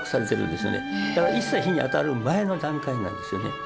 だから一切日に当たる前の段階なんですよね。